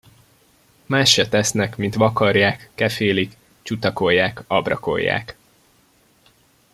Mást se tesznek, mint vakarják, kefélik, csutakolják, abrakolják.